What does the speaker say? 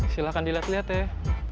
silahkan diliat liat teh